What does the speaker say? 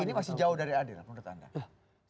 ini masih jauh dari adil menurut anda